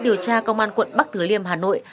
điều tra công an quận bắc thứ liêm hà nội